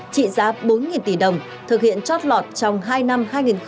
trị giá bốn tỷ đồng thực hiện trót lọt trong hai năm hai nghìn hai mươi hai nghìn hai mươi một